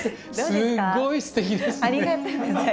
すっごいすてきですね。